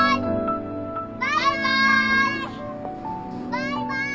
バイバイ。